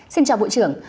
xin chào bộ trưởng